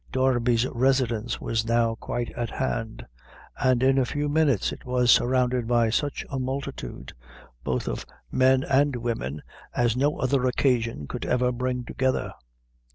Darby's residence was now quite at hand, and in a few minutes it was surrounded by such a multitude, both of men and women, as no other occasion could ever bring together.